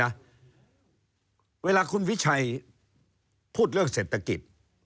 เวลาคุณวิชัยพูดเรื่องเศรษฐกิจ